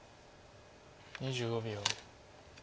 ２５秒。